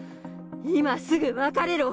今すぐ別れろ。